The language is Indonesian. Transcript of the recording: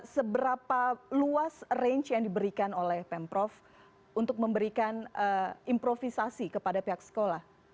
seberapa luas range yang diberikan oleh pemprov untuk memberikan improvisasi kepada pihak sekolah